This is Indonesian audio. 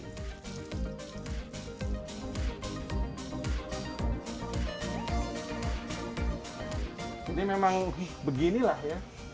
ini memang beginilah ya